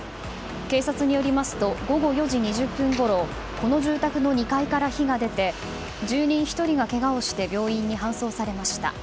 警察によりますと午後４時２０分ごろこの住宅の２階から火が出て住民１人がけがをして病院に搬送されました。